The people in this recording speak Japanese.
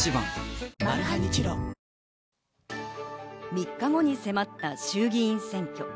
３日後に迫った衆議院選挙。